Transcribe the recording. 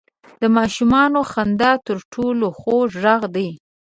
• د ماشومانو خندا تر ټولو خوږ ږغ دی.